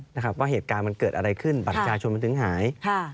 ว่าเหตุการณ์มันเกิดอะไรขึ้นบรรจาชนมันถึงหาย